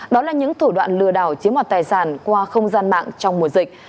đó là những thủ đoạn lừa đảo chiếm hoạt tài sản qua không gian mạng trong mùa dịch